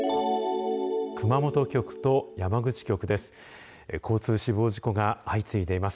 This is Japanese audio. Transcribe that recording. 熊本局と山口局です。